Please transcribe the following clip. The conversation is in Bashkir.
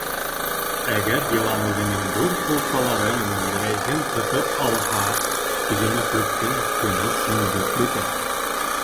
Әгәр йылан үҙенең ҙур ҡулсалары менән берәйһен ҡыҫып алһа, теге мәхлүктең көнө шундуҡ бөтә.